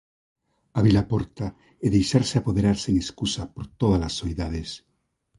Abrir a porta e deixarse apoderar sen escusa por todas as soidades.